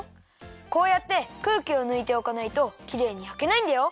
こうやってくうきをぬいておかないときれいにやけないんだよ。